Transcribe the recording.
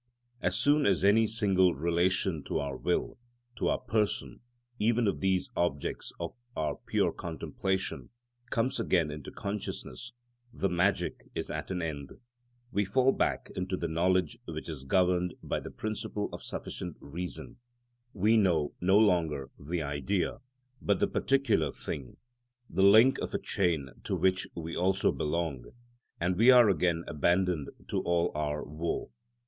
As soon as any single relation to our will, to our person, even of these objects of our pure contemplation, comes again into consciousness, the magic is at an end; we fall back into the knowledge which is governed by the principle of sufficient reason; we know no longer the Idea, but the particular thing, the link of a chain to which we also belong, and we are again abandoned to all our woe.